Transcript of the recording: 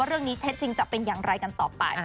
ว่าเรื่องนี้เท็จจริงจะเป็นอย่างไรกันต่อไป